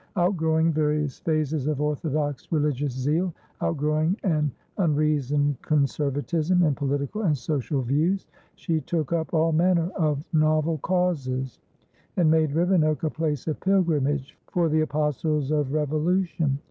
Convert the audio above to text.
Outgrowing various phases of orthodox religious zeal, outgrowing an unreasoned conservatism in political and social views, she took up all manner of novel causes, and made Rivenoak a place of pilgrimage for the apostles of revolution.